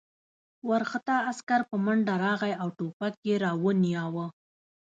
وارخطا عسکر په منډه راغی او ټوپک یې را ونیاوه